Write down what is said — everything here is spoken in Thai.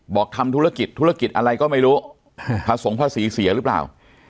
ทำธุรกิจธุรกิจอะไรก็ไม่รู้ผสมภาษีเสียหรือเปล่า